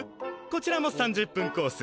こちらも３０分コース。